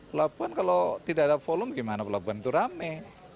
pelabuhan kalau tidak ada volume gimana pelabuhan itu rame